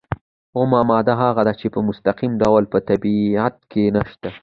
اومه ماده هغه ده چې په مستقیم ډول په طبیعت کې نشته.